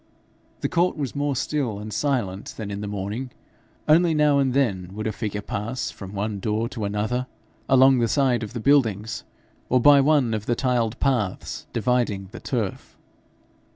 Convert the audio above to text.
The court was more still and silent than in the morning; only now and then would a figure pass from one door to another, along the side of the buildings, or by one of the tiled paths dividing the turf.